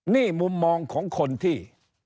นี่มุมมองของคนที่